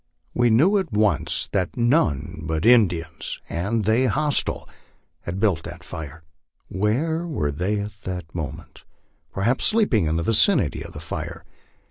We know at once that none but Indians, and they hostile, had built that fire. Where were they at that moment? Perhaps sleeping in the vicinity of the fire.